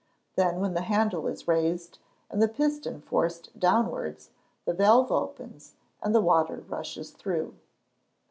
Then, when the handle is raised, and the piston forced downwards, the valve opens, and the water rushes through.